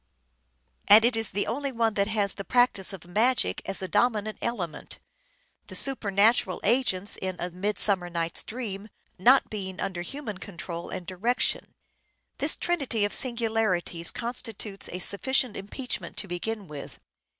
And it is the only one that has the practice of magic as a dominant element : the supernatural agents in " A Midsummer 5i8 " SHAKESPEARE " IDENTIFIED Night's Dream " not being under human control and direction. This trinity of singularities constitutes a sufficient impeachment to begin with.